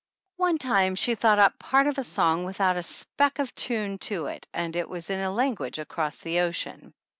One time she thought up part of a song without a speck of tune to it, and it was in a language across the ocean.